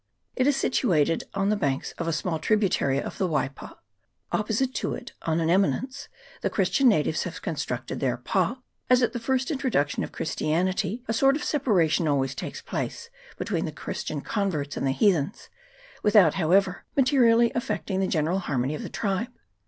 It is situated on the banks of a small tributary of the Waipa : opposite to it, on an eminence, the Christian natives have constructed their pa, as at the first introduction of Christianity a sort of sepa ration always takes place between the Christian con verts and the Heathens, without, however, materially affecting the general harmony of the tribe.